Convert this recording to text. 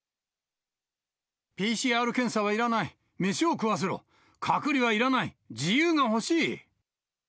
ＰＣＲ検査はいらない、飯を食わせろ、隔離はいらない、自由が欲しい。